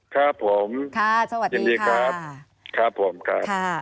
ครับผมยินดีครับครับผมค่ะสวัสดีค่ะค่ะ